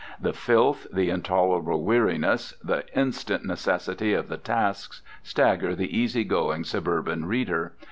The filth, the intolerable weariness, the instant necessity of the tasks, stagger the easygoing suburban reader.